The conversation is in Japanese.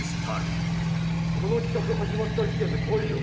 この企画始まった時点で来いよ。